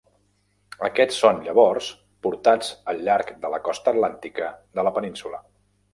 Aquests són llavors portats al llarg de la costa atlàntica de la península.